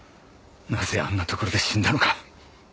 なぜあんなところで死んだのか